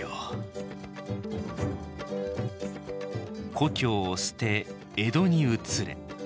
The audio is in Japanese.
「故郷を捨て江戸に移れ」。